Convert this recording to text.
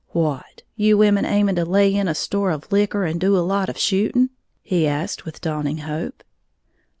"What, you women aiming to lay in a store of liquor and do a lot of shooting?" he asked, with dawning hope.